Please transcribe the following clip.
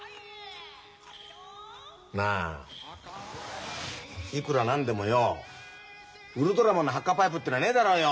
なあいくら何でもよおウルトラマンのハッカパイプってのはねえだろよ。